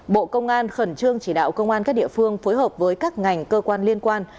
bộ công an khẩn trương chỉ đạo công an các địa phương phối hợp với các ngành cơ quan liên quan